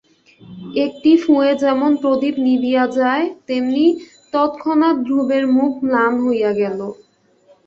একটি ফুঁয়ে যেমন প্রদীপ নিবিয়া যায় তেমনি তৎক্ষণাৎ ধ্রুবের মুখ ম্লান হইয়া গেল।